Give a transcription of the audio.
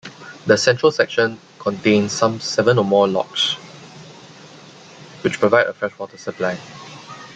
The central section contains some seven or more lochs, which provide a freshwater supply.